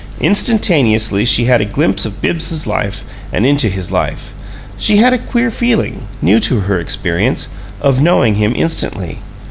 Instantaneously she had a glimpse of Bibbs's life and into his life. She had a queer feeling, new to her experience, of knowing him instantly.